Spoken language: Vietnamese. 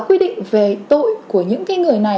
quy định về tội của những cái người này